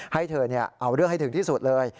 ให้เธอเอาเรื่องให้ถึงที่สุดเลย